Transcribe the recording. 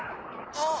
あっ！